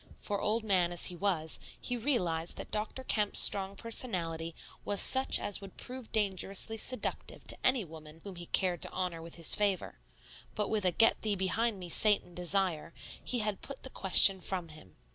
For old man as he was, he realized that Dr. Kemp's strong personality was such as would prove dangerously seductive to any woman whom he cared to honor with his favor; but with a "Get thee behind me, Satan" desire, he had put the question from him.